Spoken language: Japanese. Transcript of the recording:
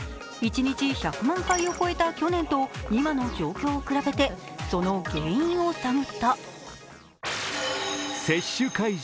一日１００万回を超えた去年と今の状況を比べてその原因を探った。